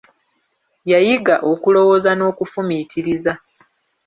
Yayiga okulowooza n'okufumiitiriza.